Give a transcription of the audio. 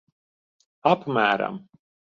Apmēram.